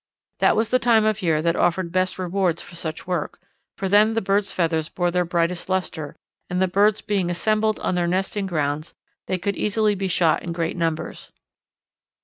That was the time of year that offered best rewards for such work, for then the birds' feathers bore their brightest lustre, and the birds being assembled on their nesting grounds they could easily be shot in great numbers.